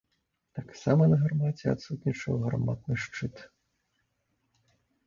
Таксама на гармаце адсутнічаў гарматны шчыт.